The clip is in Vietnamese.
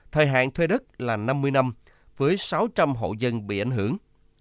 thời hạn thuê đất là năm mươi năm với sáu trăm linh hộ dân bị ảnh hưởng